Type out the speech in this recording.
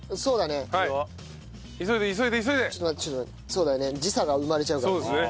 そうだね時差が生まれちゃうからね。